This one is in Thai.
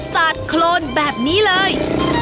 ก็จะมีการสาดโคลนแบบนี้เลย